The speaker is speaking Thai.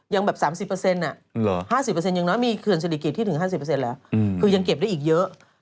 ยังแบบ๓๐อะห้าสิบเปอร์เซ็นต์ยังน้อยมีเขือนศรีกิจที่ถึงห้าสิบเปอร์เซ็นต์แล้วคือยังเก็บได้อีกเยอะ